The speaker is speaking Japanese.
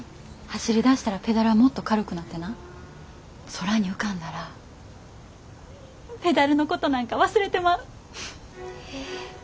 走り出したらペダルはもっと軽くなってな空に浮かんだらペダルのことなんか忘れてまう。